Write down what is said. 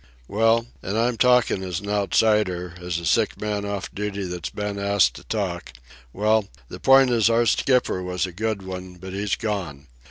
"Well—and I'm talkin' as an outsider, as a sick man off duty that's been asked to talk—well, the point is our skipper was a good one, but he's gone.